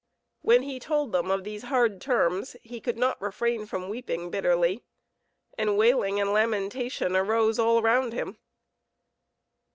When he told them of these hard terms he could not refrain from weeping bitterly, and wailing and lamentation arose all round him.